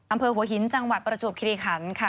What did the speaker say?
อำเภอหัวหินจังหวัดประจวบคิริขันค่ะ